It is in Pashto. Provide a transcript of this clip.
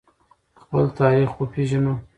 خپل تاریخ وپیژنو.